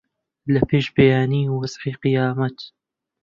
لە پێش بەیانی وەزعی قیامەت